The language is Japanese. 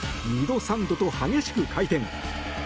２度、３度と激しく回転。